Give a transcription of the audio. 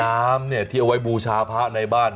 น้ำที่เอาไว้บูชาพระในบ้าน